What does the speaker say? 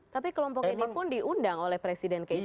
tapi kelompok ini pun diundang oleh presiden kesternal